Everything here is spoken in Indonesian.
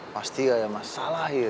pasti ada masalah